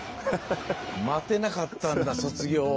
待てなかったんだ卒業は。